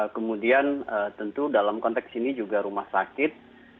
kemudian tentu dalam konteks ini juga rumah sakit